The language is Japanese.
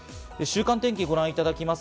週間天気をご覧いただきます。